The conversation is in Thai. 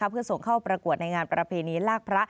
เพื่อส่งเข้าประกวดในงานประเพณีลากพระ